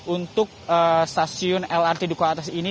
untuk stasiun lrt duku atas ini